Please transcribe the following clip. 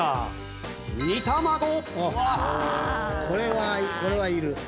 これはこれはいる。